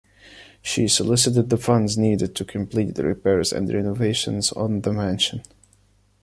She solicited the funds needed to complete the repairs and renovations on the mansion.